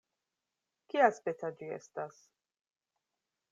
"Kiaspeca ĝi estas?"